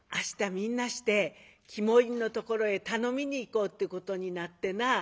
みんなして肝煎りのところへ頼みに行こうってことになってな」。